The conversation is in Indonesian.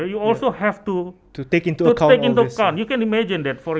dalam tiga tahun terakhir